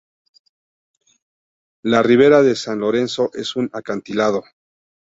La ribera del San Lorenzo es un acantilado.